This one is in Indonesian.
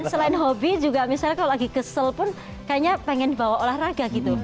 selain hobi juga misalnya kalau lagi kesel pun kayaknya pengen bawa olahraga gitu